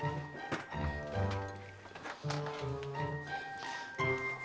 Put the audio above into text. seseorang kondisi berbunuh mengengankan